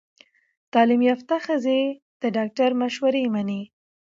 تعلیم یافته ښځې د ډاکټر مشورې مني۔